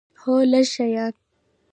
هو، لږ شیان